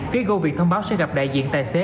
phía goviet thông báo sẽ gặp đại diện tài xế